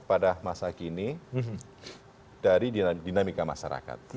pada masa kini dari dinamika masyarakat